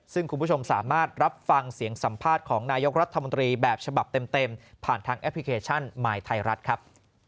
ซึ่งคุณผู้ชมสามารถรับฟังเสียงสัมภาษณ์ของนายกรัฐมนตรีแบบฉบับเต็มผ่านทางแอปพลิเคชันมายไทยรัฐครับ